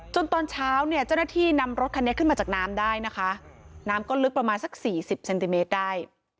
ตอนเช้าเนี่ยเจ้าหน้าที่นำรถคันนี้ขึ้นมาจากน้ำได้นะคะน้ำก็ลึกประมาณสัก๔๐เซนติเมตรได้